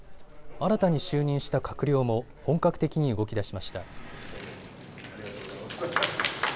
新たに就任した閣僚も本格的に動きだしました。